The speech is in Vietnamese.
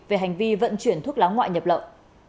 về hành vi vận chuyển thuốc lá ngoại nhập lậu